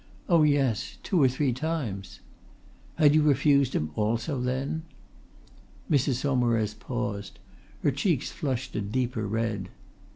"Oh, yes! two or three times!" "Had you refused him also, then?" Mrs Saumarez paused. Her cheeks flushed a deeper red.